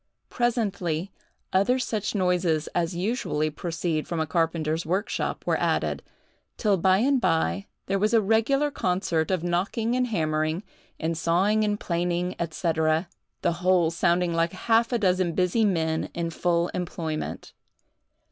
Presently other such noises as usually proceed from a carpenter's workshop were added, till by and by, there was a regular concert of knocking and hammering, and sawing and planing, &c. the whole sounding like half a dozen busy men in full employment.